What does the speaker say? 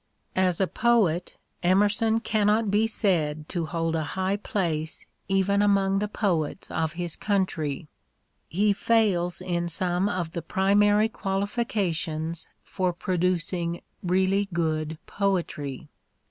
As a poet Emerson cannot be said to hold a high place evefi among the poets of his country. He fails in some of the primary qualifications for producing really good poetry.